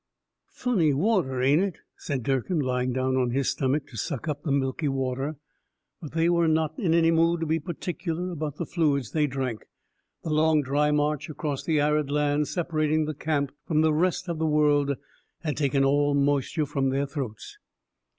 "Funny water, ain't it?" said Durkin, lying down on his stomach to suck up the milky water. But they were not in any mood to be particular about the fluids they drank. The long dry march across the arid lands separating the camp from the rest of the world had taken all moisture from their throats.